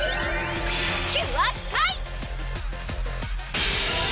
キュアスカイ！